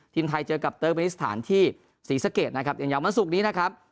ทีมไทยเจอกับเตอร์มินิสถานที่ศรีสะเกดนะครับอย่างยาววันศุกร์นี้นะครับ